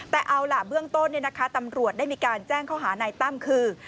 แต่เอาล่ะเบื้องต้นตำรวจได้มีการแจ้งข้อหานายตั้มคือ